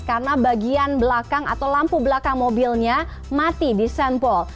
karena bagian belakang atau lampu belakang mobilnya mati di st paul